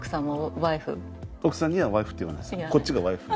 奥さんには「ワイフ」って言わないです。